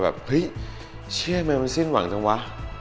เฮ้ยเชี่ยมันสิ้นหวังจังวะ